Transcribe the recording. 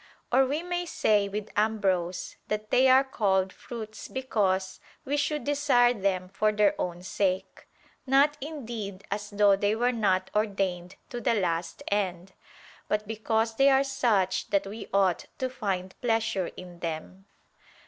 Or we may say with Ambrose that they are called fruits because "we should desire them for their own sake": not indeed as though they were not ordained to the last end; but because they are such that we ought to find pleasure in them.